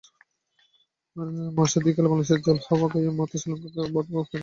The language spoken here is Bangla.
মাসাধিককাল বাংলাদেশের জল-হাওয়া গায়ে মাখা শ্রীলঙ্কাকে অনেকে ফাইনালে একটা আসন দিয়েই রেখেছে।